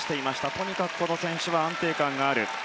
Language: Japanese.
とにかくこの選手は安定感がある。